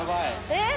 えっ！